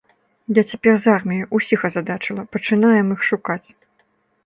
Я цяпер з арміяй, усіх азадачыла, пачынаем іх шукаць.